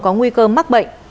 có nguy cơ mắc bệnh